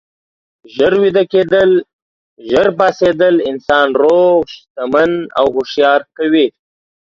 ژر ویده کیدل، ژر پاڅیدل انسان روغ، شتمن او هوښیار کوي.